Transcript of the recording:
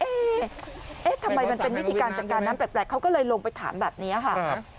เอ๊ะทำไมมันเป็นวิธีการจัดการน้ำแปลกเขาก็เลยลงไปถามแบบนี้ค่ะ